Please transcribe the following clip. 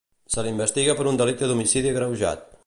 Se l'investiga per un delicte d'homicidi agreujat.